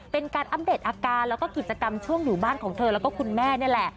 เป็นการอัปเดตอาการแล้วก็กิจกรรมช่วงอยู่บ้านของเธอแล้วก็คุณแม่นี่แหละ